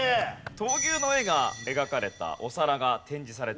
闘牛の絵が描かれたお皿が展示されているんですね。